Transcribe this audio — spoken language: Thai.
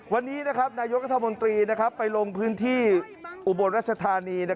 วันนี้นายกรัฐมนตรีไปลงพื้นที่อุบลรัชธานี